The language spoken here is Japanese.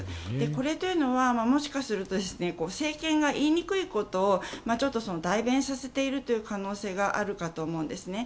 これというのは、もしかすると政権が言いにくいことを代弁させているという可能性があるかと思うんですね。